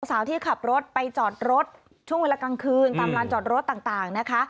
สาวที่ขับรถไปจอดรถช่วงเวลากลางคืนตามลานจอดรถต่างนะคะ